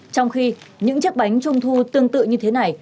trong khi những chiếc bánh trung thu tương tự như thế này